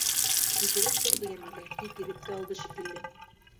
Һикереп торҙо Йәмилә, һикереп тә алды шикелле.